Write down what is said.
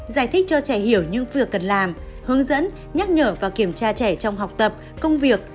giải thích cho trẻ hiểu những việc cần làm hướng dẫn nhắc nhở và kiểm tra trẻ trong học tập công việc